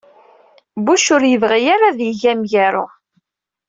Bush ur yebɣi ad yeg amgaru.